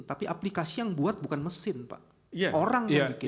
tapi aplikasi yang buat bukan mesin pak orang yang bikin